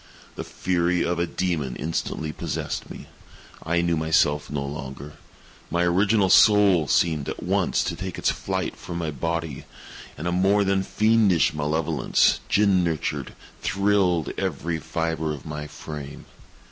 The fury of a demon instantly possessed me. I knew myself no longer. My original soul seemed, at once, to take its flight from my body and a more than fiendish malevolence, gin nurtured, thrilled every fibre of my frame.